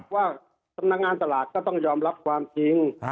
ว่าสำนักงานตลาดก็ต้องยอมรับความจริง